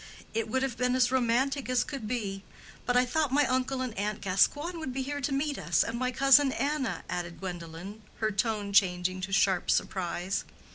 It would have been as romantic as could be. But I thought my uncle and aunt Gascoigne would be here to meet us, and my cousin Anna," added Gwendolen, her tone changed to sharp surprise.